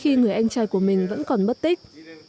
khi người anh trai của mình vẫn còn mất tích